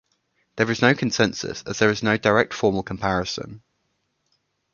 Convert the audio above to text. There is no consensus, as there is no direct formal comparison.